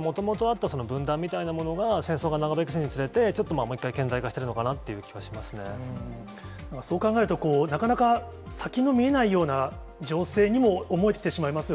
もともとあった分断みたいなものが、戦争が長引くにつれて、ちょっとまた顕在化しているのかそう考えると、なかなか先の見えないような情勢にも思えてしまいますよね。